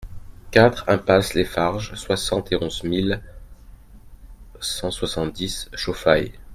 quatre impasse Les Farges, soixante et onze mille cent soixante-dix Chauffailles